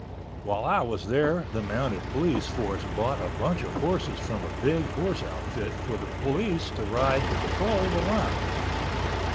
While I was there the Mounted Police force bought a bunch of horses from a big horse outfit for the police to ride to patrol the line.